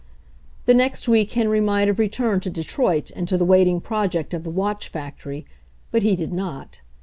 The next week Henry might have returned to Detroit and to the waiting project of the watch factory, but he did not.